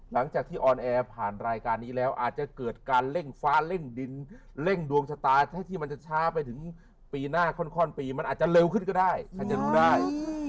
หลังจากที่ออนแอร์ผ่านรายการนี้แล้วอาจจะเกิดการเร่งฟ้าเร่งดินเร่งดวงชะตาที่มันจะช้าไปถึงปีหน้าค่อนปีมันอาจจะเร็วขึ้นก็ได้ใครจะรู้ได้